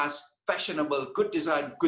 yang fesional dengan desain yang bagus